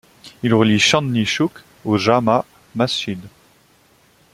Il relie Chandni Chowk au Jama Masjid.